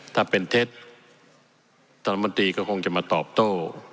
ถ้าเป็นเท็จท่านรัฐมนตรีก็คงจะมาตอบโต้